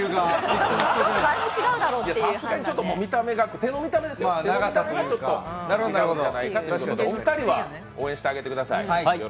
さすがに、手の見た目がちょっと違うんじゃないかということでお二人は応援してあげてください。